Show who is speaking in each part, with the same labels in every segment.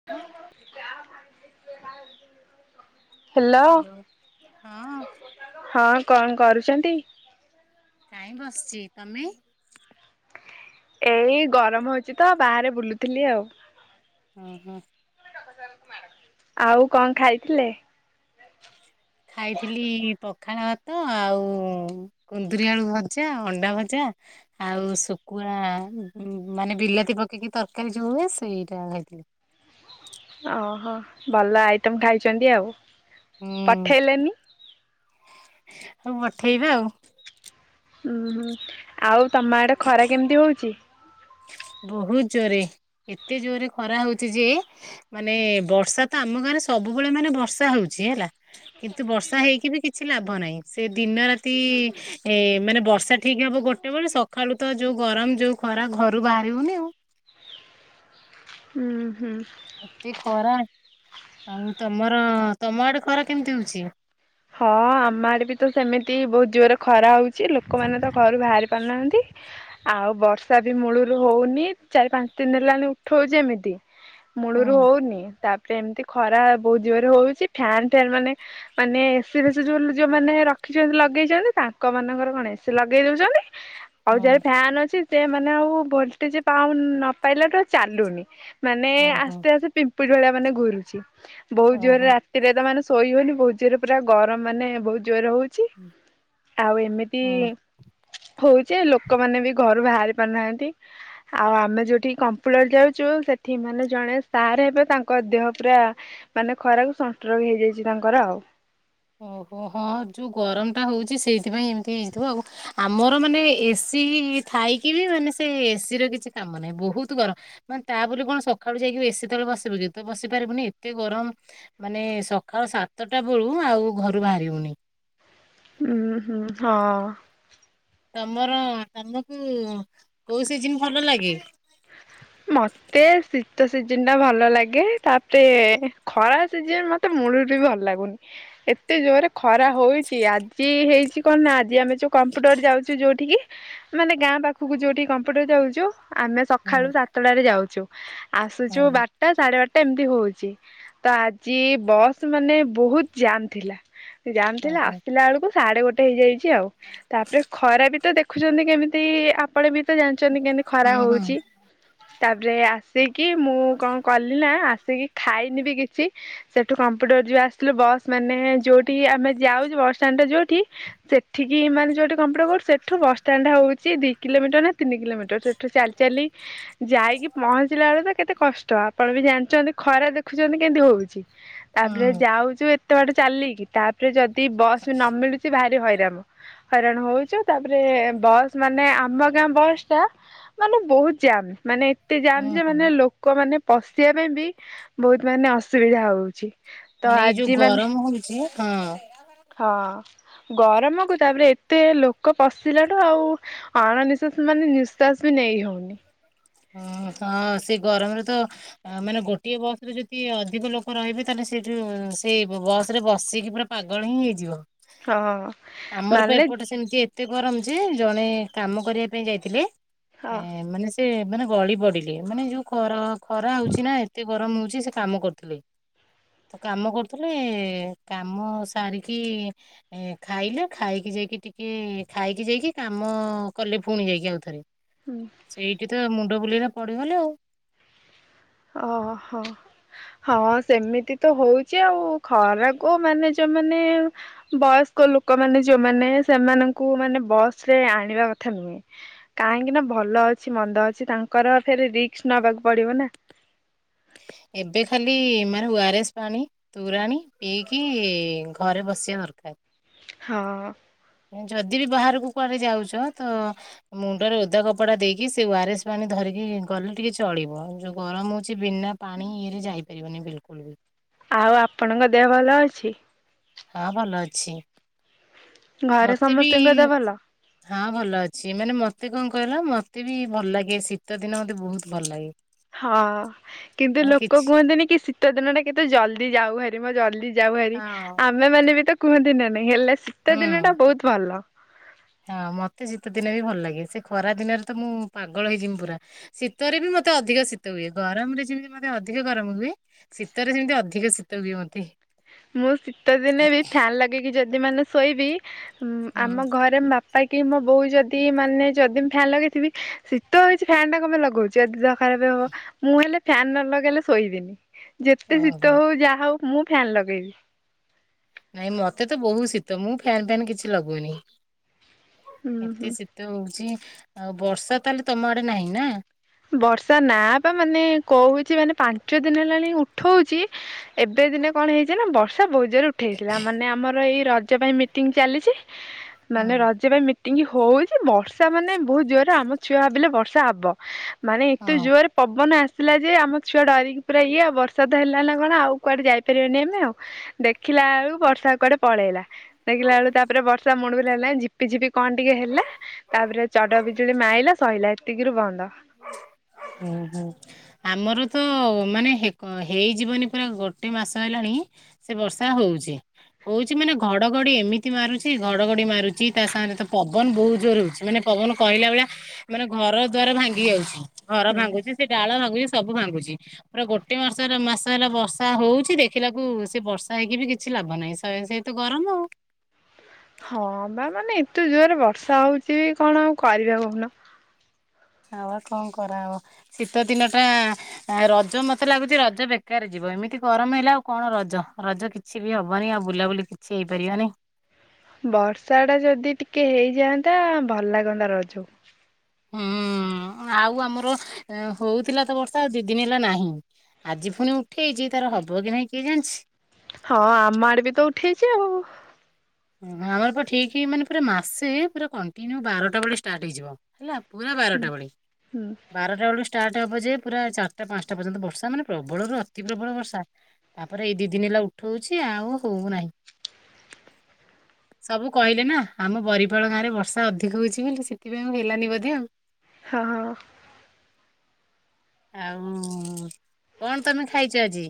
Speaker 1: [inaudible]
Speaker 2: Hello
Speaker 1: hello ହଁ
Speaker 2: ହଁ କଣ କରୁଚନ୍ତି?
Speaker 1: ନାଇଁ ବସ୍ ଚି ତମେ?
Speaker 2: ଏଇ ଗରମ ହଉଚି ତ ବାହାରେ ବୁଲୁଥିଲି ଆଉ।
Speaker 1: ହୁଁ ହୁଁ।
Speaker 2: ଆଉ କଁ ଖାଇଥିଲେ?
Speaker 1: ଖାଇଥିଲି ପଖାଳ ଭାତ ଆଉ କୁନ୍ଦୁରୀ ଆଳୁ ଭଜା ଅଣ୍ଡା ଭଜା ଆଉ ଶୁକୁଆ ମାନେ ବିଲାତି ପକେଇକି ତରକାରୀ ଯୋଉ ହୁଏ ସେଇଟା ଖାଇଥିଲି।
Speaker 2: ଓହୋ ଭଲ ଆଇଟମ୍ ଖାଇଚନ୍ତି ଆଉ
Speaker 1: ହୁଁ
Speaker 2: ପଠେଇଲେନି
Speaker 1: ହଉ ପଠେଇବି ଆଉ।
Speaker 2: ଉଁ ହୁଁ ଆଉ ତମ ଆଡେ ଖରା କେମିତି ହଉଚି?
Speaker 1: ବହୁତ୍ ଜୋରେ ଏତେ ଜୋରେ ଖରା ହଉଚି ଯେ ମାନେ ବର୍ଷା ତ ଆମ ଗାଁରେ ସବୁବେଳେ ମାନେ ବର୍ଷା ହଉଚି ହେଲା କିନ୍ତୁ ବର୍ଷା ହେଇକି ବି କିଛି ଲାଭ ନାହିଁ ସେ ଦିନ ରାତି ଏ ମାନେ ବର୍ଷା ଠିକ୍ ହବ ଗୋ ଟେ ବେଳେ ସଖାଳୁ ତ ଯୋଉ ଗରମ ଯୋଉ ଖରା ଘରୁ ବାହାରି ହଉନି ଆଉ
Speaker 2: ଉଁ ହୁଁ।
Speaker 1: ଏତେ ଖରା ଆଉ ତମର ତମ ଆଡେ ଖରା କେମିତି ହଉଚି?
Speaker 2: ହ ଆମ ଆଡେ ବି ତ ସେମିତି ବହୁତ ଜୋରେ ଖରା ହଉଚି ଲୋକମାନେ ତ ଘରୁ ବାହାରି ପାରୁନାହାନ୍ତି। ଆଉ ବର୍ଷା ବି ମୂଳରୁ ହଉନି ଚାରି ପାଞ୍ଚ୍ ଦିନ୍ ହେଲାଣି ଉଠଉଚି ଏମିତି ମୂଳରୁ
Speaker 1: ହଁ
Speaker 2: ହଉନି ତାପରେ ଏମ୍ ତି ଖରା ବହୁତ ଜୋରେ ହଉଚି ଫ୍ୟାାନ୍ ଫ୍ୟାନ୍ ମାନେ ମାନେ ଏସି ଫେସି ଯୋଉ ଯୋଉମାନେ ରଖିଚନ୍ତି ଲଗେଇଚନ୍ତି ତାଙ୍କ ମାନଙ୍କର କଣ ଏସି ଲଗେଇ ଦଉଚନ୍ତି ଆଉ ଯାର
Speaker 1: ହଁ
Speaker 2: ଫ୍ୟାନ୍ ଅଛି ସେ ମାନେ ଆଉ ଭୋଲ୍ଟେଜେ ପାଉ ନ ପାଇଲା ରୁ ଆଉ ଚାଲୁନି। ମାନେ
Speaker 1: ହଁ ହଁ
Speaker 2: ଆସ୍ତେ ଆସ୍ତେ ପିମ୍ପୁଡ଼ି ଭଳିଆ ମାନେ ଘୁରୁଚି ବହୁତ୍ ଜୋରେ
Speaker 1: ହଁ
Speaker 2: ରା ତି ରେ ତ ମାନେ ଶୋଇ ହଉନି ବହୁତ୍ ଜୋରେ ପୁରା ଗରମ‌ ମାନେ ବହୁତ୍ ଜୋରେ ହଉ ଚି ଆଉ ଏମିତି
Speaker 1: ହଁ
Speaker 2: ହଉଚି ଲୋକମାନେ‌ ବି ଘରୁ ବାହାରି ପାରୁନାହାନ୍ତି। ଆଉ ଆମେ ଯୋଉଠି କମ୍ପୁଳର ଯାଉଚୁ ସେଠି ମାନେ ଜଣେ ସାର୍ ହେବେ ତାଙ୍କ ଦେହ ପୁରା ମାନେ ଖରାକୁ ସଂଷ୍ଟ୍ରୋକ ହେଇଯାଇଚି ତାଙ୍କର ଆଉ।
Speaker 1: ଓହୋ ହଁ ଯୋଉ ଗରମ୍ ଟା ହଉଚି ସେଇଥିପାଇଁ ଏମିତି୍ ହେଇଥିବ ଆଉ ଆମର ମାନେ ଏସି ଥାଇକି ବି ମାନେ ସେ ଏସି ର କିଛି କାମ ନାଇଁ ବହୁତ୍ ଗରମ ମାନେ ତା ବୋଲି କଣ ସଖାଳୁ ଯାଇକି ଏସି ତଳେ ବସିବୁ କି ତ ବସି ପାରିବୁନି ଏତେ ଗରମ୍ ମାନେ ସଖାଳ ସାତଟା ବେଳୁ ଆଉ ଘରୁ ବାହାରିି ହଉନି।
Speaker 2: ଉଁ ହୁଁ ହ।
Speaker 1: ତମର ତମକୁ କୋଉ ସିଜିନ୍ ଭଲ ଲାଗେ?
Speaker 2: ମ ତେ ଶୀତ ସିଜିନ୍ ଟା ଭଲ ଲାଗେ ତାପରେ ଖରା ସିଜିନ୍ ମତେ ମୂଳରୁ ବି ଭଲ୍ ଲାଗୁନି ଏତେ ଜୋରେ ଖରା ହଉଚି ଆଜି ହେଇଚି କଣ ନା ଆଜି ଆମେ ଯୋଉ କମ୍ପୁଟର ଯାଉଚୁ ଯୋଉଠିକି ମାନେ ଗାଁ ପାଖକୁ ଯୋଉଟିକି କମ୍ପ୍ୟୁଟର ଯାଉଚୁ ଆମେ ସଖାଳୁ
Speaker 1: ହୁଁ
Speaker 2: ସାତଟାରେ ଯାଉଚୁ ଆସୁଚୁ
Speaker 1: ହୁଁ
Speaker 2: ବାର୍ଟା ସାଢେ ବାର୍ଟା ଏମ୍ ତି ହୋଉଚି ତ ଆଜି ବସ୍ ମାନେ ବହୁତ୍ ଜାମ୍ ଥିଲା ଜାମ୍
Speaker 1: ହୁଁ
Speaker 2: ଥିଲା
Speaker 1: ହୁଁ
Speaker 2: ଆସିଲା ଏଳକୁ ସାଢେ ଗୋଟେ ହେଇଯାଇଚି ଆଉ ତାପରେ ଖରା ବି ତ ଦେଖୁଚନ୍ତି କେମିତି ଆପଣ ବି ତ ଜାଣିଚନ୍ତି କେମ୍ ତି ଖରା
Speaker 1: ହୁଁ
Speaker 2: ହଉଚି ତାପରେ ଆସିକି ମୁଁ କଁ କଲି ନା ଆସିକି ଖାଇନି ବି କିଚି ସେଠୁ କମ୍ପୁଟର୍ ଯଉ ଆସିଥିଲୁ ବସ୍ ମାନେ ଯୋଉଠି ଆମେ ଯାଉଛୁ ବସଷ୍ଟାଣ୍ଡରେ ଯୋଉଠି ସେଠିକି ମାନେ ଯଉଠି କମ୍ପୁଟ କ‌ ସେଠୁ ବସଷ୍ଟାଣ୍ଡ ହଉଛି ଦି କିଲୋମିଟର୍ ନା ତିନି କିଲୋମିଟର୍ ସେଠୁ ଚାଲି ଚାଲି ଯାଇକି ପହଞ୍ଚିଲା ବେଳୁ ତ କେତେ କଷ୍ଟ ଆପଣ ବି ଜାଣିଚନ୍ତି ଖରା ଦେଖୁଛନ୍ତି କେମିତି ହଉଛି। ତାପରେ
Speaker 1: ହୁଁ
Speaker 2: ଯାଉଛୁ ଏତେ ବାଟ ଚାଲିକି ତାପରେ ଯଦି ଯଦି ବସ୍ ନ ମିଳୁଚି ଭାରି ହଇରାଣ। ହଇତାଣ ହଉଛୁ ତାପରେ ବସ୍ ମାନେ ଆମ ଗାଁ ବସ୍ ଟା ମାନେ ବହୁତ୍ ଯାମ୍ ମାନେ ଏତେ ଜାମ୍
Speaker 1: ହୁଁ
Speaker 2: ଯେ
Speaker 1: ହୁଁ।
Speaker 2: ମାନେ ଲୋକ ଲୋକ ମାନେ ପଶିବା ପାଇଁ ବି ବହୁତ୍ ମାନେ ଅସୁବିଧା ହଉଛି। ତ
Speaker 1: ମାନେ ଏଇ ଯୋଉ
Speaker 2: ଆଜି ମାନେ
Speaker 1: ଗରମ୍ ହେଉଛି, ହଁ।
Speaker 2: ହଁ ଗରମକୁ ତାପରେ ଏତେ ଲୋକ ପଶିଲାଠୁ ଆଉ ଅଣନିଶ୍ୱାସ୍ ମାନେ ନିଃଶ୍ଵାସ୍ ବି ନେଇ ହଉନି।
Speaker 1: ହଁ ହଁ, ସେ ଗରମରେ ତ, ମାନେ ଗୋଟିଏ ବସରେ ଯଦି ଅଧିକ ଲୋକ ରହିବେ ତାହେଲେ ସେଇଠୁ ସେଇ ବସରେ ବସିକି ପୁରା ପାଗଳ ହିଁ ହେଇଯିବ,
Speaker 2: ହଁ
Speaker 1: ଆମର ତ
Speaker 2: ମାନେ
Speaker 1: ଏପଟେ ସେମିତି ଏତେ ଏତେ ଗରମଯେ ଜଣେ କାମ କରିବା ପାଇଁ ଯାଇଥିଲେ
Speaker 2: ହଁ
Speaker 1: ଏ ମାନେ ସେ ମାନେ ଗଳିପଡିଲେ ମାନେ ଯୋଉ ଖରା କରା ହଉଛି ନା ଏତେ ଗରମ ହଉଛି ସେ କାମ କରୁଥିଲେ। ତ କାମ କରୁଥିଲେ କାମ ସାରିକି ଖାଇଲେ ଖାଇକି ଯାଇକି ଟିକେ ଖାଇକି ଯାଇକି କାମ କଲେ ଫୁଣି ଯାଇକି ଆଉ ଥରେ। ସେଇଠିତ ମୁଣ୍ଡ ବୁଲେଇଲା ପଡିଗଲେ ଆଉ।
Speaker 2: ଅହ। ହଁ ସେମିତି ତ ହୋଉଛି ଆଉ ଖରାକୁ ମାନେ ଯୋଉମାନେ ବୟସ୍କ ଲୋକମାନେ ଯୋଉମାନେ ସେମାନଙ୍କୁ ମାନେ ବସରେ ଆଣିବା କଥା ନୁହେଁ। କାହିଁକି ନା ଭଲ ଅଛି ମନ୍ଦ ଅଛି ତାଙ୍କର ଫେରେ ରିକ୍ସ ନବାକୁ ପଡିବ ନା।
Speaker 1: ଏବେ ଖାଲି ମାନେ ୱାରେସ୍ ପାଣି, ତୋରାଣୀ ପିଇକି ଘରେ ବସିବା ଦରକାର।
Speaker 2: ହଁ।
Speaker 1: ଯଦି ବି ବାହାରକୁ କୁଆଡେ ଯାଉଛ ତ ମୁଣ୍ଡରେ ଓଦା କପଡା ଦେଇକି ସେ ୱାରେସ୍ ପାଣି ଧରିକି ଗଲେ ଟିକେ ଚଳିବ ଯୋଉ ଗରମ ହଉଛି ବିନା ପାଣି ଇଏରେ ଯାଇପାରିବନି ବିଲକୁଲ ବି।
Speaker 2: ଆଉ ଆପଣଙ୍କ ଦେହ ଭଲ ଅଛି?
Speaker 1: ହଁ ଭଲ ଅଛି
Speaker 2: ଘରେ
Speaker 1: ମତେ ବି,
Speaker 2: ସମସ୍ତଙ୍କ ଦେହ ଭଲ?
Speaker 1: ହଁ ଭଲ ଅଛି ମାନେ ମତେ କଣ କହିଲ ମତେ ବି ଭଲ ଲାଗେ ଶୀତ ଦିନ ମତେ ବହୁତ ଭଲ ଲାଗେ।
Speaker 2: ହଁ କିନ୍ତୁ
Speaker 1: ହଁ
Speaker 2: ଲୋକ
Speaker 1: କିଛି
Speaker 2: କୁହନ୍ତିନି କି ଶୀତ ଦିନଟା କେତେ ଜଲ୍ଦି ଯାଉ ଭାରି ମ ଜଲଦି ଯାଉ ଭାରି
Speaker 1: ହଁ
Speaker 2: ଆମେ ମାନେ ବି ତ କୁହନ୍ତି ନା ନାଇଁ ହେଲେ ଶୀତ ଦିନ
Speaker 1: ହୁଁ।
Speaker 2: ଟା ବହୁତ ଭଲ।
Speaker 1: ହଁ ମତେ ଶୀତ ଦିନେ ବି ଭଲ ଲାଗେ, ସେ ଖରା ଦିନରେ ତ ମୁଁ ପାଗଳ ହେଇଯିବି ପୁରା। ଶୀତରେ ବି ମତେ ଅଧିକ ଶୀତ ହୁଏ ଗରମରେ ଯେମିତି ମତେ ଅଧିକ ଗରମ ହୁଏ ଶୀତରେ ସେମିତି ଅଧିକ ଶୀତ ହୁଏ ମତେ।
Speaker 2: ମୁଁ ଶୀତ ଦିନେ ବି ଫ୍ୟାନ୍ ଲଗେଇକି ଯଦି ମାନେ ଶୋଇବି ଆମ
Speaker 1: ହୁଁ
Speaker 2: ଘରେ ବାପା ପାଇଁକି ମୋ ବୋଉ ଯଦି ମାନେ ଯଦି ମୁଁ ଫ୍ୟାନ୍ ଲଗେଇଥିବି ଶୀତ ହେଇଛି ଫ୍ୟାନଟା କଣ ପାଇଁ ଲଗଉଛୁ ଯଦି ତ ଖରାପ ହବ ମୁଁ ହେଲେ ଫ୍ୟାନ ନ ଲଗେଇଲେ ଶୋଇବିନି, ଯେତେ
Speaker 1: ଓହୋ।
Speaker 2: ଶୀତ ହଉ ଯାହା ହଉ ମୁଁ ଫ୍ୟାନ୍ ଲଗେଇବି।
Speaker 1: ନାଇଁ ମତେ ତ ବହୁତ ଶୀତ ମୁଁ ଫ୍ୟାନ ଫ୍ୟାନ୍ କିଛି ଲଗଉନି।
Speaker 2: ହୁଁ
Speaker 1: ଏତେ
Speaker 2: ହୁଁ
Speaker 1: ଶୀତ ଶିତ ହଉଛି ଆଉ ବର୍ଷା ତାହେଲେ ତମ ଆଡେ ନାହିଁ ନା?
Speaker 2: ବର୍ଷା ନା ବା ମାନେ କହୁଛି ମାନେ ପାଞ୍ଚ ଦିନ ହେଲାଣି ଉଠଉଛି ଏବେ ଦିନେ କଣ ହେଇଛି ନା ବର୍ଷା ବହୁତ ଜୋରରେ [unintelligible] ମାନେ ଆମର ଏଇ ରଜ ପାଇଁ ମିଟିଂ ଚାଲିଚି
Speaker 1: ହୁଁ
Speaker 2: ମାନେ ରଜ ରେ ମି ମୀଟିଙ୍ଗ ହୋଉଚି ବର୍ଷା ମାନେ ବୋହୁତ ଜୋରେ ଆମ ଛୁଆ ଭାବିଲେ ବର୍ଷା ହବ ମାନେ ଏତେ
Speaker 1: ହଁ।
Speaker 2: ଜୋରେ ପବନ ଆସିଲା ଯେ ଆମ ଛୁଆ ଡରିକି ପୁରା ଇଏ ଆଉ ବର୍ଷା ତ ହେଲା ନା କଣ ଆଉ କୁଆଡେ ଯାଇପାରିବା ନି ଆମେ ଆଉ ଦେଖିଲା ଆଳୁ ବର୍ଷା କୁଆଡେ ପଳେଇଲା। ଦେଖିଲା ବେଳୁ ତାପରେ ବର୍ଷା ମୁଳୁରୁ ହେଲା ଝିପିଝିପି କଣ ଟିକେ ହେଲା ତାପରେ ଚଡ ବିଜୁଳି ମାଇଲା ସଇଲା ଏତିକିରୁ ବନ୍ଦ।
Speaker 1: ହୁଁ ହୁଁ। ଆମର ତ ମାନେ ହେଇଯିବନି ପୁରା ଗୋଟେ ମାସ ହେଲାଣି ସେ ବର୍ଷା ହୋଉଚି। ହୋଉଚି ମାନେ ଘଡଘଡି ଏମିତି ମାରୁଚି ଘଡଘଡି ମାରୁଚି ତା ସାଙ୍ଗରେ ତ ପବନ ବୋହୁତ ଜୋରେ ହୋ ଉଚି। ମାନେ ପବନ କହିଲା ଭଳିଆ ମାନେ ଘର ଦ୍ଵାର ଭାଙ୍ଗି ଯାଉଚି ଘର
Speaker 2: ହୁଁ।
Speaker 1: ଭାଙ୍ଗୁଚି ସେ ଡାଳ ଭାଙ୍ଗୁଚି ସବୁ ଭାଙ୍ଗୁଚି ପୁରା ଗୋଟିଏ ମାସର ମାସେ ହେଲା ବର୍ଷା ହୋଉଚି ଦେଖିଲାକୁ ସେ ବର୍ଷା ହେଇକି ବି କିଛି ଲାଭ ନାହିଁ ସେ ତ ଗରମ ଆଉ।
Speaker 2: ହଁ ବା ମାନେ ଏତେ ଜୋରେ ବର୍ଷା ହୋଉଚି କଣ ଆଉ କରିବା କୋହୁନ।
Speaker 1: ହଁ ବା କଣ କରାହବ ଶୀତ ଦିନ ଟା ଆ ରଜ ମତେ ଲାଗୁଚି ରଜ ବେକାର ଯିବ ଏମିତି ଗରମ ହେଲେ ଆଉ କଣ ରଜ ରଜ କି କିଛି ବି ହବନି ଆଉ ବୁଲାବୁଲି କିଛି ହେଇପାରିବାନି।
Speaker 2: ବର୍ଷା ଟା ଯଦି ଟିକେ ହେଇଯାଆନ୍ତା ଭଲ ଲାଗନ୍ତା ରଜ। [inaudible]
Speaker 1: ହଁ ଆଉ ଆମର ହୋଉଥିଲା ତ ବର୍ଷା ଆ ଦି ଦିନି ହେଲା ନାହିଁ। ଆଜି ଫୁଣି ଉଠେଇଛି ତାର ହବ କି ନାଇଁ କିଏ ଜାଣିଛି।
Speaker 2: ହଁ ଆମ ଆଡେ ବି ତ ଉଠେଇଚି ଆଉ।
Speaker 1: ହଁ ଆମର ପୁରା ଠିକ୍ ମାସେ ପୁରା କଣ୍ଟିନ୍ୟୁ ବାରଟା ବେଳେ ଷ୍ଟାର୍ଟ ହେଇଯିବ। ହେଲା ପୁରା ବାରଟା ବେଳେ
Speaker 2: ହୁଁ
Speaker 1: ବାରଟା ବେଳୁ ଷ୍ଟାଟେ ହବ ଯେ ପୁରା ଚାରିଟା ପାଁସଟା ପର୍ଯ୍ୟନ୍ତ ବର୍ଷା ମାନେ ପ୍ରବଳରୁ ଅତି ପ୍ରବଳ ବର୍ଷା। ତାପରେ ଏଇ ଦି ଦିନି ହେଲା ଉଠୋଉଚି ଆଉ ହୋ ଉନାହିଁ। ସବୁ କହିଲେ ନା ଆମ ବରିପାଳ ଗାଁରେ ବର୍ଷା ଅଧିକ ହୋଉଚି ବୋଲି ସେଥିପାଇଁ ଆଉ ହେଲାନି ବୋଧେ ଆଉ।
Speaker 2: ହଁ।
Speaker 1: ଆଉ କଣ ତମେ ଖାଇଚ ଆଜି?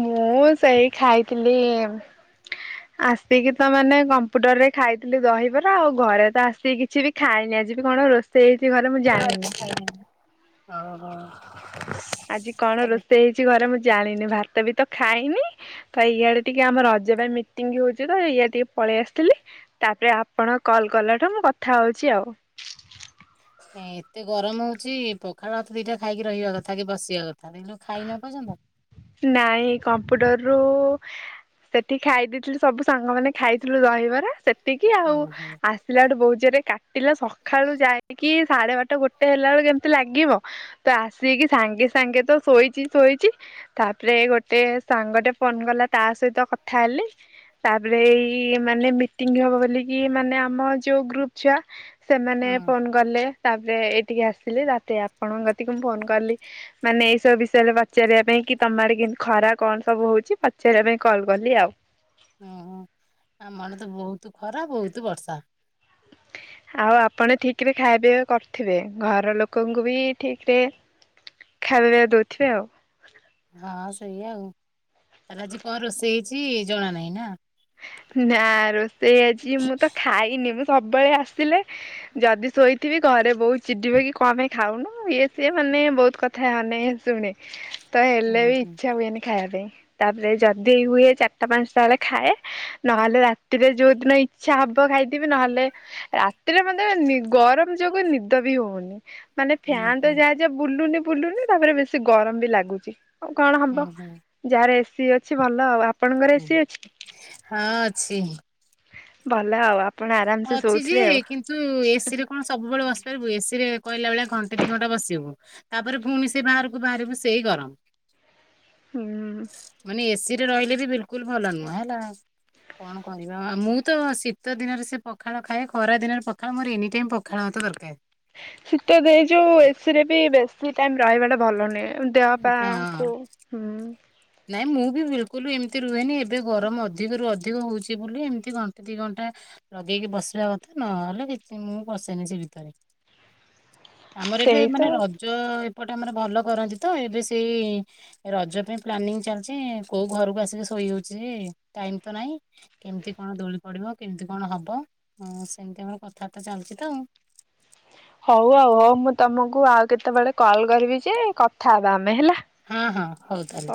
Speaker 2: ମୁଁ ସେଇ ଖାଇଥିଲି ଆସିକି ତ ମାନେ କମ୍ପୁଟର ରେ ଖାଇଥିଲି ଦହିବରା ଆଉ ଘରେ ତ ଆସିକି କିଛି ବି ଖାଇନି ଆଜି ବି କଣ ରୋଷେଇ ହେଇଚି ଘରେ ମୁଁ ଜାଣିନି।
Speaker 1: ଅ ହ
Speaker 2: ଆଜି କଣ ରୋଷେଇ ହେଇଚି ଘରେ ମୁଁ ଜାଣିନି ଭାତ ବି ତ ଖାଇନି। ତ ଇଆଡେ ଟିକେ ଆମ ରଜ ଟା ମିଟିଙ୍ଗ ହୋଉଚି ତ ଇଆଡେ ଟିକେ ପଳେଇ ଆସିଥିଲି। ତାପରେ ଆପଣ କଲ୍ କଲାଠୁ ମୁଁ କଥା ହୋଉଚି ଆଉ।
Speaker 1: ନାଇଁ ଏତେ ଗରମ ହୋଉଚି ପଖାଳ ଭାତ ଦିଟା ଖାଇକି ରହିବା କଥା କି ବସିବା କଥା କିନ୍ତୁ ଖାଇନଏ ପର୍ଯନ୍ତ।
Speaker 2: ନାଇଁ କମ୍ପ୍ୟୁଟରରୁ ସେଠି ଖାଇ ଦେଇଥିଲି ସବୁ ସାଙ୍ଗମାନେ ଖାଇଥିଲୁ ଦ ହିବରା ସେ ସେତିକି ଆଉ
Speaker 1: ଓହୋ
Speaker 2: ଆସିଲାଠୁ ବୋଉତଜୋରେ କାଟିଲା ସକାଳୁ ଯାଇକି ସାଢେ ବାର ଟା ଗୋଟେ ହେଲା ବେଳକୁ କେମିତି ଲାଗିବ ତ ଆସିକି ସାଙ୍ଗେ ସାଙ୍ଗେ ତ ଶୋଇଚି ଶୋଇଚି ତାପରେ ଗୋଟେ ସାଙ୍ଗଟେ ଫୋନ କଲା ତା ସଇତ କଥା ହେଲି। ତାପରେ ଏଇ ମାନେ ମିଟିଙ୍ଗ ହବ ବୋଲିକି ମାନେ ଆମ ଯୋଉ ଗ୍ରୁପ ଛୁଆ ସେମାନେ
Speaker 1: ହୁଁ
Speaker 2: ଫୋନ୍ ଗଲେ ତାପରେ ଏଇଠିକି ଆସିଲି ତା ଆପଣଙ୍କତିକ ମୁଁ ଫୋନ କଲି ମାନେ ଏ ସବୁ ବିଷୟ ରେ ପଚାରିବା ପାଇଁ କି ତମ ଆଡେ କେମତି ଖରା କଣ ସବୁ ହଉଛି ପଚାରିବା ପାଇଁ କଲ୍ କଲି ଆଉ।
Speaker 1: ଉଁ ହୁଁ ଆମର ଆଡେ ତ ବହୁତ ଖରା ବହୁତ ବର୍ଷା।
Speaker 2: ହଁ [inaudible] ଆଉ ଆପଣ ଠିକ୍ ରେ ଖାଇବା ପିଇବା କରିଥିବେ ଘର ଲୋକଙ୍କୁ ବି ଠିକ୍ ରେ ଖାଇବା ପିଇବା ଦଉଥିବେ ଆଉ।
Speaker 1: ହଁ ସେଇା ଆଉ ତାହେଲେ ଆଜି କଣ ରୋଷେଇ ହେଇଛି ଜଣା ନାହିଁ ନା।
Speaker 2: ନା ରୋଷେଇ ଆଜି ମୁଁ ତ ଖାଇନି ମୁଁ ସବୁବେଳେ ଆସିଲେ ଯଦି ଶୋଇଥିବି ଘରେ ବହୁ ଚିଡିବେ କି କଣପେଁ ଖାଉନୁ ଇଏ ସିଏ ମାନେ ବହୁତ କଥା ମାନେ ଶୁଣେ। ହ [inaudible] ତ
Speaker 1: ହୁଁ
Speaker 2: ହେଲେ ବି
Speaker 1: ହୁଁ
Speaker 2: ଇଛା ହୁଏନି ଖାଇବା ପାଇଁ ତାପରେ ଯଦି ହୁଏ ଚାରିଟା ପାଞ୍ଚଟା ବେଳେ ଖାଏ। ନହେଲେ ରାତିରେ ଯୋଉଦିନ ଇଛା ହବ ଖାଇଥିବି ନହେଲେ ରାତିରେ ମନେ ଗରମ ଯୋଗୁ ନିଦ ବି ହଉନି। ମାନେ
Speaker 1: ହୁଁ
Speaker 2: ଫ୍ୟାନ
Speaker 1: ହୁଁ
Speaker 2: ତ ଯାହା ଯାହା ବୁଲୁନି ବୁଲୁନି ତାପରେ ବେଶୀ ଗରମ ବି ଲାଗୁଛି। ଆଉ କଣ ହବ
Speaker 1: ହୁଁ ହୁଁ
Speaker 2: ଯାହାର ଏସିି ଅଛି ଭଲ। ଆଉ ଆପଣଙ୍କର ଏସିି ଅଛିକି?
Speaker 1: ହଁ ଅଛି।
Speaker 2: ଭଲ ଆଉ ଆ
Speaker 1: ଅଛି ଯେ କିନ୍ତୁ ତୁ ଏସିରେ କଣ ସବୁବେଳେ ବସି ପାରିବୁ ଏସି ରେ କହିଲା ବଳିଆ ଘଣ୍ଟେ ଦି ଘଣ୍ଟା ବସିବୁ। ତାପରେ ପୁଣି ସେ ବାହାରକୁ ବାହାରିବ ସେଇ ଗରମ।
Speaker 2: ହୁଁ।
Speaker 1: ମାନେ ଏସି ରେ ରହିଲେ ବି ବିଲକୁଲ ଭଲ ନୁହଁ ହେଲା। କଣ କରିବା ମୁଁ ତ ଶୀତ ଦିନରେ ସେ ପଖାଳ ଖାଏ ଖରାଦିନରେ ପଖାଳ ମୋର ଏନି ଟାଇମ୍ ପଖାଳ ଭାତ ଦରକାର।
Speaker 2: ଶୀତ ଦେଇ ଯୋଉ ଏସି ରେ ବି ବେଶୀ ଟାଇମ ରହିବା ଟା ଭଲ ନୁଁ ଦେହ ପା
Speaker 1: ହଁ।
Speaker 2: କୁ ହୁଁ।
Speaker 1: ନାଇଁ ମୁଁ ବି ବିଲକୁଲ ଏମିତି ରୁହେନି ଏବେ ଗରମ ଅଧିକରୁ ଅଧିକ ହଉଛି ବୋଲି ଏମିତି ଘଣ୍ଟେ ଦି ଘଣ୍ଟା ଲଗେଇକି ବସିବା କଥା ନହେଲେ କିଛି ମୁଁ ବସେନି ସେ ଭିତରେ।
Speaker 2: ହ।
Speaker 1: ଆମର ଏବେ ମାନେ ର ରଜ ଏପଟେ ଆମର ଭଲ କରନ୍ତି ତ ଏବେ ସେଇ ରଜ ପାଇଁ ପ୍ଲାନିଂ ଚାଲିଛି କୋଉ ଘରକୁ ଆସିକି ଶୋଇହୋଉଛି ଟାଇମ ତ ନହିଁ କେମିତି କଣ ଦୋ ପଡ଼ିବ କେମିତି କଣ ହବ ହଁ ସେମିତି ଆମର କଥାବାର୍ତ୍ତା ଚାଲିୁଛି ତ ଆଉ।
Speaker 2: ହଉ ଆଉ ହଉ ମୁଁ ତମକୁ ଆଉ କେତେବେଳେ କଲ କରିବି ଯେ କଥା ହବା ଆମେ ହେଲା।
Speaker 1: ହଁ ହଁ ହଉ ତା ହେଲେ।